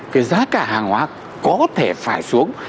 cái giá cả hàng hóa có thể phải xuống